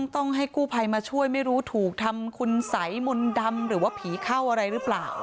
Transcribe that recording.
ต้องให้กู้ภัยมาช่วยไม่รู้ถูกทำคุณสัยมนต์ดำหรือว่าผีเข้าอะไรหรือเปล่า